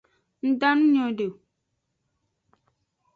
Nda nu nyode o.